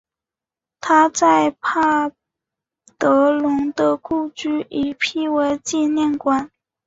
他在帕德龙的故居已辟为纪念馆。